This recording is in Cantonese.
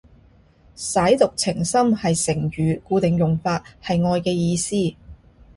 舐犢情深係成語，固定用法，係愛嘅意思